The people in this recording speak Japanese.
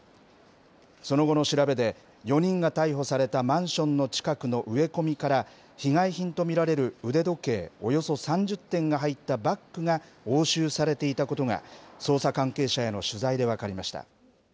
その後の調べで、４人が逮捕されたマンションの近くの植え込みから、被害品と見られる腕時計およそ３０点が入ったバッグが押収されていたことが、捜査関係者への取材で分かりました。